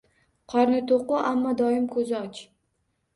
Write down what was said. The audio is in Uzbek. Qorni to’qu, ammo doim ko’zi och